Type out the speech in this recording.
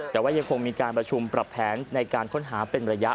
แต่ว่ายังคงมีการประชุมปรับแผนในการค้นหาเป็นระยะ